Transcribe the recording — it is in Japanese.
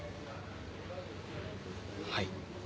はい。